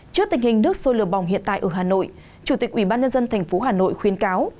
trước tình hình nước sôi lừa bồng hiện tại ở hà nội chủ tịch ubnd tp hà nội khuyến cáo